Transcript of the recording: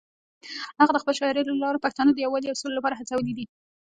هغه د خپلې شاعرۍ له لارې پښتانه د یووالي او سولې لپاره هڅولي دي.